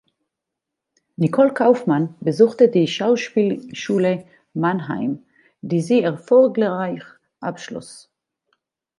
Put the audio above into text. Nicole Kaufmann besuchte die Schauspielschule Mannheim, die sie erfolgreich abschloss.